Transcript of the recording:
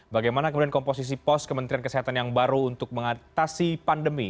bagaimana kemudian komposisi pos kementerian kesehatan yang baru untuk mengatasi pandemi